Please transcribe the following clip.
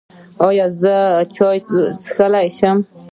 ایا زه چای څښلی شم؟